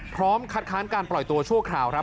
พร้อมคัดค้านการปล่อยตัวชั่วคราวครับ